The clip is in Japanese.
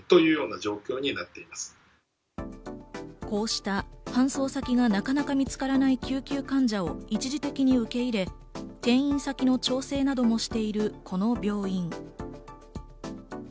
こうした搬送先がなかなか見つからない救急患者を一時的に受け入れ、転院先の調整などもしているこの病院。